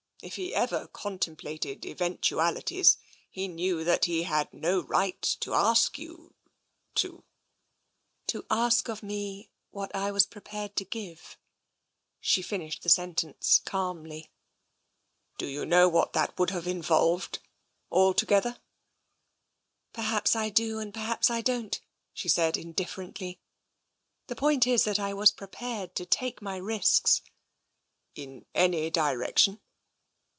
If he ever contemplated eventualities, he knew that he had no right to ask you — to ^"" To ask of me what I was prepared to give; " she finished the sentence calmly. it (t 26^ TENSION " Do you know what that would have involved, al together?" '* Perhaps I do and perhaps I don't," she said in differently. " The point is, that I was prepared to take my risks." " In any direction?"